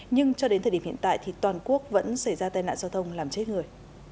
nhưng cho đến thời điểm hiện tại thì toàn quốc vẫn xảy ra tai nạn giao thông làm chết người